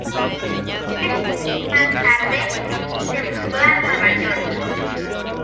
Tres meses más tarde, se mudó a Nueva York.